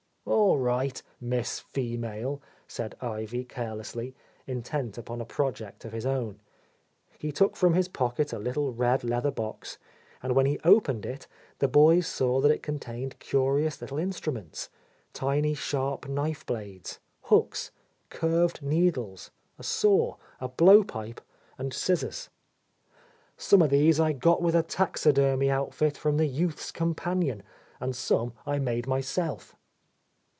"All right. Miss Female," said Ivy carelessly, intent upon a project of his own. He took from his pocket a little red leather box, and when he opened it the boys saw that it contained curious ' little instruments : tiny sharp knife blades, hooks, curved needles, a saw, a blow pipe, and scissors. __ 23 — A Lost Lady "Some of these I got with a taxidermy outfit from the Youth's Cowpanion, and some I made myself."